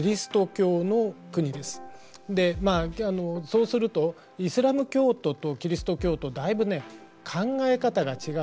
そうするとイスラーム教徒とキリスト教徒だいぶ考え方が違う。